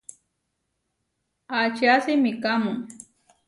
Aʼčía simikámu?